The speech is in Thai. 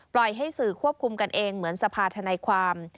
ให้สื่อควบคุมกันเองเหมือนสภาธนายความ